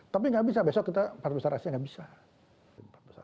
tapi nggak bisa besok kita empat besar asia nggak bisa